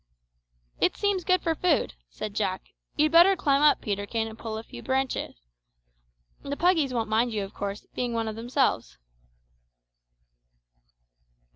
"It seems good for food," said Jack. "You'd better climb up, Peterkin, and pull a few bunches. The puggies won't mind you, of course, being one of themselves."